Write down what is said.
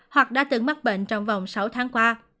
hoặc đã từng mắc bệnh trong vòng sáu tháng qua